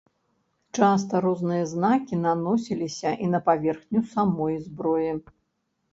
Часта розныя знакі наносіліся і на паверхню самой зброі.